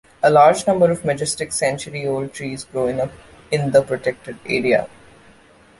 A large number of majestic century-old trees grow in the protected area.